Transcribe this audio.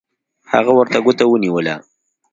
هغه ورته ګوته ونیوله